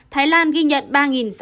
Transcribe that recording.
thái lan ghi nhận